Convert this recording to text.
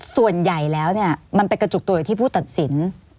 ส่วนใหญ่แล้วเนี่ยมันไปกระจุกตัวอยู่ที่ผู้ตัดสิน